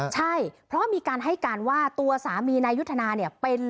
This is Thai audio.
ใช่เพราะมีการให้การว่าตัวสามีนายุทธนาเนี่ย